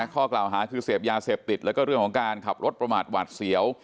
ข้อกล่าวหาคือเสพยาเสพติดแล้วก็เรื่องของการขับรถประมาทหวาดเสียว